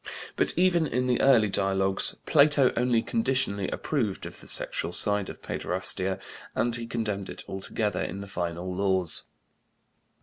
But even in the early dialogues Plato only conditionally approved of the sexual side of paiderastia and he condemned it altogether in the final Laws.